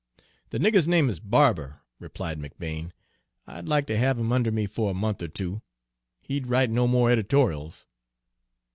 "The nigger's name is Barber," replied McBane. "I'd like to have him under me for a month or two; he'd write no more editorials."